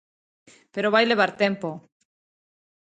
Pero vai levar tempo.